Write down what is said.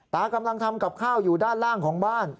ตากำลังทำกับข้าวอยู่ด้านล่างของบ้าน